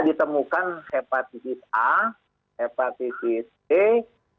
lebih dalam ternyata mereka itu eh eh eh itu yang lebih dalam ternyata mereka itu eh eh itu yang